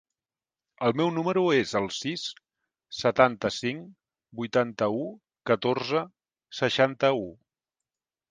El meu número es el sis, setanta-cinc, vuitanta-u, catorze, seixanta-u.